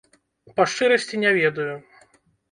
Па шчырасці, не ведаю.